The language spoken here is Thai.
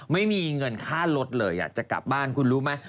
ไม่มีเงินค่ารถเลยจะกลับบ้านคุณรู้ไหม